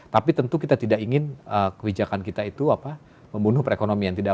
tapi tentu kita tidak ingin kebijakan kita itu membunuh perekonomian